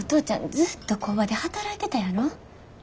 ずっと工場で働いてたやろ。